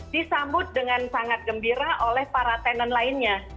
disambut dengan sangat gembira oleh para tenan lainnya